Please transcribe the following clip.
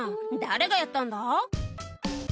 「誰がやったんだ？」